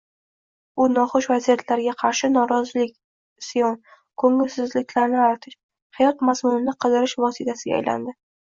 U noxush vaziyatlarga qarshi norozilik, isyon, ko‘ngilsizliklarni aritish, hayot mazmunini qidirish vositasiga aylandi